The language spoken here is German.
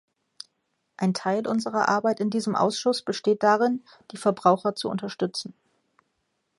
Ein Teil unserer Arbeit in diesem Ausschuss besteht darin, die Verbraucher zu unterstützen.